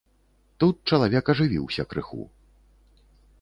Тут чалавек ажывіўся крыху.